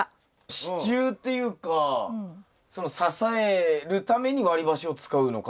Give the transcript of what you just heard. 支柱っていうか支えるために割り箸を使うのかなと思いましたけど。